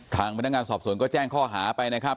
ทางพนักงานสอบสวนก็แจ้งข้อหาไปนะครับ